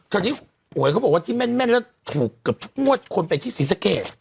คราวนี้หวยเขาบอกว่าที่แม่นแล้วถูกเกือบทุกงวดคนไปที่ศรีสะเกด